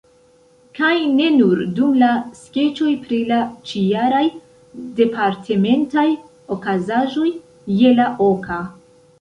Kaj ne nur dum la skeĉoj pri la ĉijaraj departementaj okazaĵoj je la oka.